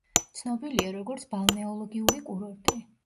ცნობილია, როგორც ბალნეოლოგიური კურორტი.